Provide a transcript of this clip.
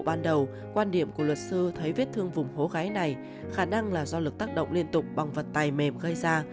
ban đầu quan điểm của luật sư thấy vết thương vùng hố gáy này khả năng là do lực tác động liên tục bằng vật tay mềm gây ra